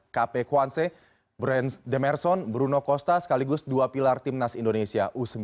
kp kuanse brand demerson bruno costa sekaligus dua pilar timnas indonesia u sembilan belas